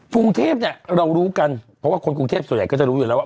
กรุงเทพเนี่ยเรารู้กันเพราะว่าคนกรุงเทพส่วนใหญ่ก็จะรู้อยู่แล้วว่า